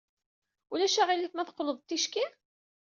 Ulac aɣilif ma teqqleḍ-d ticki?